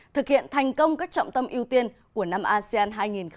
thực hiện thành công các trọng tâm ưu tiên của năm asean hai nghìn hai mươi